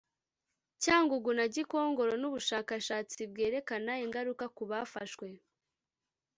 cyangugu na gikongoro n ubushakashatsi bwerekana ingaruka ku bafashwe